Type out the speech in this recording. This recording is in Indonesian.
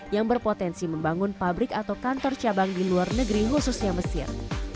yang berpotensi membangun pabrik atau kantor cabang di luar negeri khususnya mesir